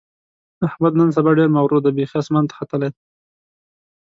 احمد نن سبا ډېر مغرور دی؛ بیخي اسمان ته ختلی دی.